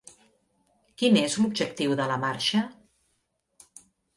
Quin és l’objectiu de la marxa?